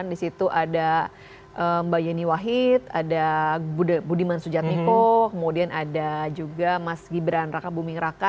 di situ ada mbak yeni wahid ada budiman sujadmiko kemudian ada juga mas gibran raka buming raka